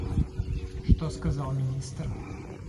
Что сказал министр?